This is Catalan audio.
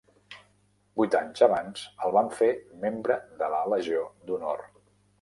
Vuit anys abans, el van fer membre de la Legió d'Honor.